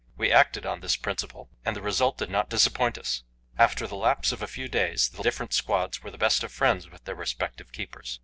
We acted on this principle, and the result did not disappoint us. After the lapse of a few days the different squads were the best of friends with their respective keepers.